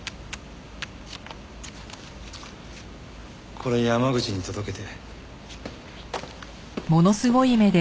これ山口に届けて。